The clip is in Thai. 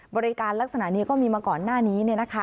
บริการลักษณะนี้ก็มีมาก่อนหน้านี้